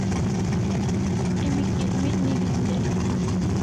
Emi kirmec' nig'en dai